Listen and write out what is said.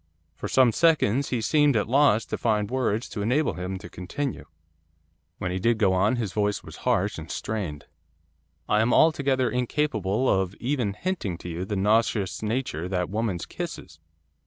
For some seconds he seemed at a loss to find words to enable him to continue. When he did go on, his voice was harsh and strained. 'I am altogether incapable of even hinting to you the nauseous nature of that woman's kisses.